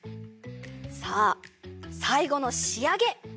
さあさいごのしあげ！